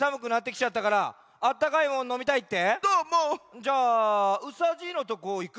じゃあうさじいのとこいく？